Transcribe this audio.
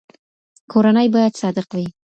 کورنۍ باید صادق وي.